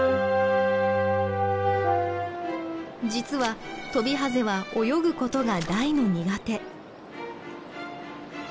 実はトビハゼは泳ぐことが大の苦手。